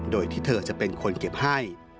โดยที่เธอจะเป็นคนเก็บให้